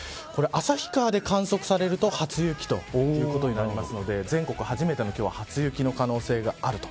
旭川で観測されると初雪ということになりますので全国初めての今日は初雪の可能性があると。